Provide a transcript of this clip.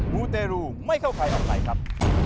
มูเตรูไม่เข้าใครออกใครครับ